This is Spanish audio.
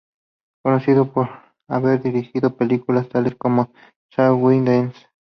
Conocido por haber dirigido películas tales como "Shall We Dance?